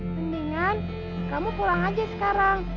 mendingan kamu pulang aja sekarang